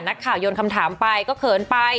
นักข่ายนคำถามไปก็เขินไป